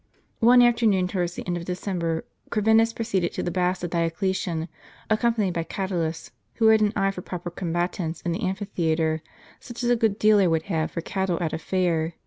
One afternoon, towards the end of December, Corvinus proceeded to the Baths of Dioclesian, accompanied by Cat ulus, who had an eye for proper combatants in the amphi theatre, such as a good dealer would have for cattle at a fair.